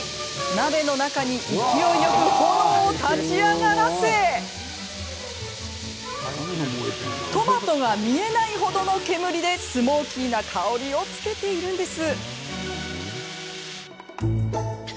鍋の中に勢いよく炎を立ち上がらせトマトが見えない程の煙でスモーキーな香りをつけているんです。